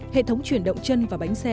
hệ thống chuyển động chân và bánh xe